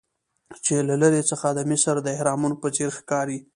چې له لرې څخه د مصر د اهرامونو په څیر ښکاري.